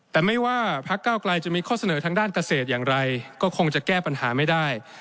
แต่ไม่ว่าพักเก้าไกลจะมีข้อเสนอทางด้านเกษตรอย่างไรก็คงจะแก้ปัญหาไม่ได้